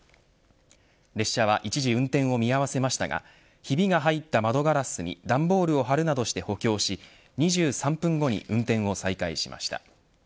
列車は、一時運転を見合わせましたがひびが入った窓ガラスに段ボールを貼るなどして補強し２３分後に運転を再開しました。